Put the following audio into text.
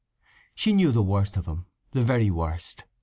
She knew the worst of him—the very worst.